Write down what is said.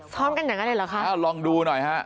ซ้อมกันอย่างไรหรอคะลองดูหน่อยฮะ